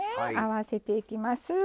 合わせていきます。